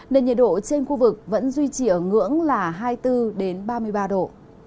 nên nhiệt độ trên khu vực vẫn duy trì ở ngưỡng là hai mươi bốn ba mươi ba độ